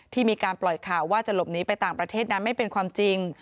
มีการปล่อยข่าวว่าจะหลบหนีไปต่างประเทศนั้นไม่เป็นความจริง